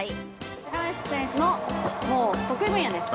高梨選手の得意分野です。